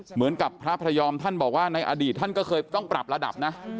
เหมือนกับพระพระยอมท่านบอกว่าในอดีตท่านก็เคยต้องปรับระดับนะ